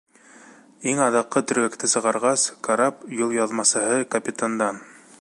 Иң аҙаҡҡы төргәкте сығарғас, карап юлъяҙмасыһы капитандан: